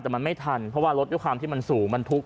แต่มันไม่ทันเพราะว่ารถด้วยความที่มันสูงมันทุกข